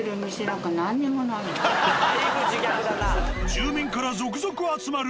住民から続々集まる